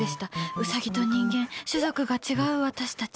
ウサギと人間種族が違う私たち。